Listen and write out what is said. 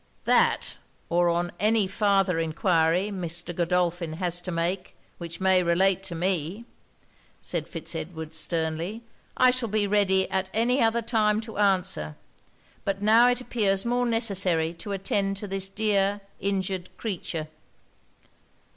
'That, or any farther enquiry Mr. Godolphin has to make, which may relate to me,' said Fitz Edward sternly, 'I shall be ready at any other time to answer; but now it appears more necessary to attend to this dear injured creature!'